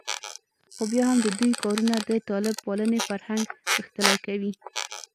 خو بیا هم د دوی کارونه د طالب پالنې فرهنګ غښتلی کوي